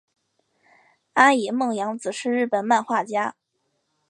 安野梦洋子是日本漫画家。